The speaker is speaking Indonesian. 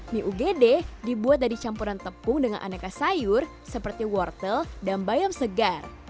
mie ugd dibuat dari campuran tepung dengan aneka sayur seperti wortel dan bayam segar